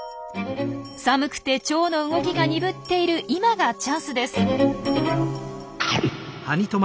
寒くてチョウの動きが鈍っている今がチャンスです。